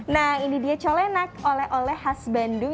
nah ini dia colenak oleh oleh khas bandung